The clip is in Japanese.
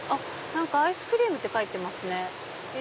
アイスクリームって書いてますね。